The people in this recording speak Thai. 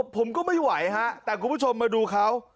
ผมก็ไม่ไหวฮะแต่คุณผู้ชมมาดูเขา